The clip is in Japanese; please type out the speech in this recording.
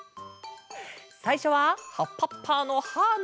さいしょは「はっぱっぱのハーッ！」のえ。